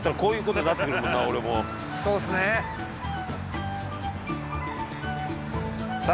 そうですねさあ